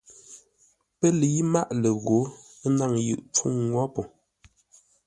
Pə́ lə̌i máʼ ləghǒ, ə́ náŋ yʉ pfuŋ wó po.